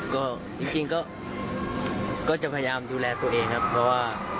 ก็จริงก็จะพยายามดูแลตัวเองครับเพราะว่า